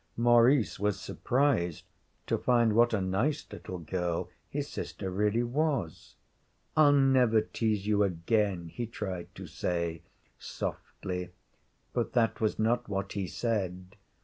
Maurice was surprised to find what a nice little girl his sister really was. 'I'll never tease you again,' he tried to say, softly but that was not what he said.